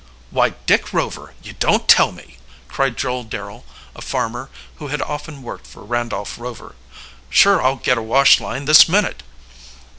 "Why, Dick Rover, you don't tell me!" cried Joel Darrel, a farmer who had often worked for Randolph Rover. "Sure I'll get a wash line this minute!"